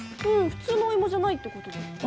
普通のおいもじゃないってことですね。